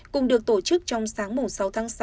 cùng được tổ chức trong sáng sáu tháng sáu